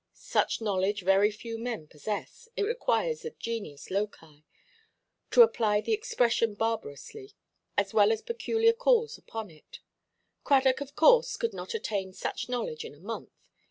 Such knowledge very few men possess; it requires the genius loci—to apply the expression barbarously—as well as peculiar calls upon it. Cradock, of course, could not attain such knowledge in a month.